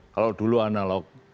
kalau dulu analog